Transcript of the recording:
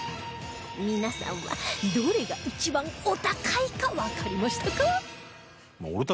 皆さんはどれが一番お高いかわかりましたか？